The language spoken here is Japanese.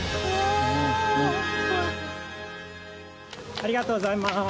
ありがとうございます。